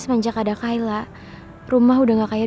biar kayak orang pacaran